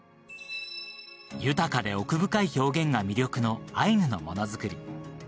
豊かで奥深い表現が魅力のアイヌのものづくり。